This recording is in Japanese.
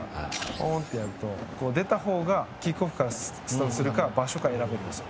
ポーンとやると、出た方がキックオフからスタートするか場所か選べるんですよ。